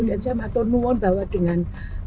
dan saya maturnuan bahwa dengan